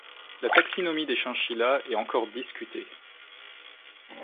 La taxinomie des chinchillas est encore discutée.